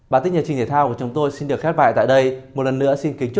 bản tin nhà trình thể thao của trung quốc